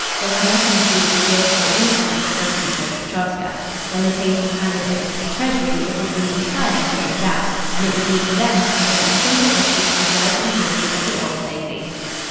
They had nothing to do with the guilt or innocence of the Princess Petrovska. When the case was handed over to the Treasury it would be entirely straightened out, and it would be for them to present the simple issue to the judge and jury at the Old Bailey.